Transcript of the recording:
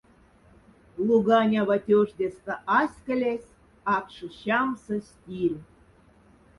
Луганява тёждяста аськолясь акша щамса стирь.